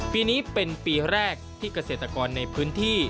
ปีนี้เป็นปีแรกที่เกษตรกรในพื้นที่